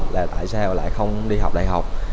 là tại sao lại không đi học đại học